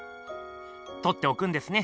とっておくんですね？